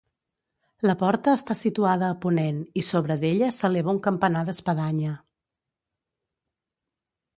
La porta està situada a ponent i sobre d'ella s'eleva un campanar d'espadanya.